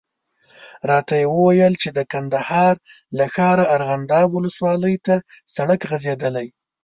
راته یې وویل چې د کندهار له ښاره ارغنداب ولسوالي ته سړک غځېدلی.